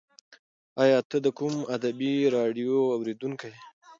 ایا ته د کوم ادبي راډیو اورېدونکی یې؟